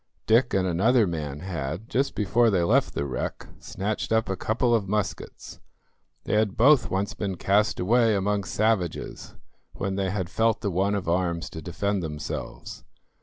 Dick and another man had, just before they left the wreck, snatched up a couple of muskets. They had both once been cast away among savages when they had felt the want of arms to defend themselves.